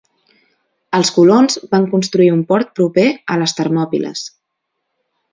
Els colons van construir un port proper a les Termòpiles.